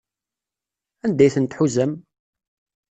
Anda ay tent-tḥuzam?